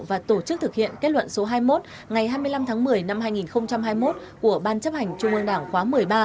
và tổ chức thực hiện kết luận số hai mươi một ngày hai mươi năm tháng một mươi năm hai nghìn hai mươi một của ban chấp hành trung ương đảng khóa một mươi ba